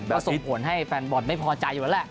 ก็ส่งผลให้แฟนบอลไม่พอใจอยู่แล้วแหละ